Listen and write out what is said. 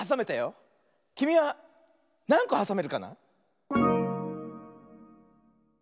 きみはなんこはさめるかな？